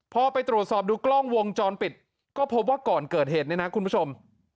พอไปตรวจสอบดูกล้องวงจรปิดก็พบว่าก่อนเกิดเหตุเนี่ยนะคุณผู้ชม